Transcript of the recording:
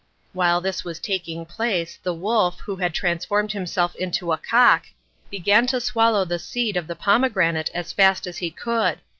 While this was taking place the wolf, who had transformed himself into a cock, began to swallow the seed of the pomegranate as fast as he could.